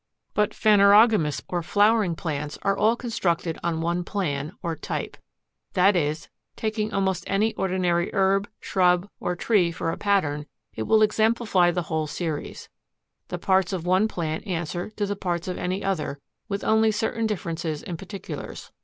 7. But Phanerogamous, or Flowering, Plants are all constructed on one plan, or type. That is, taking almost any ordinary herb, shrub, or tree for a pattern, it will exemplify the whole series: the parts of one plant answer to the parts of any other, with only certain differences in particulars.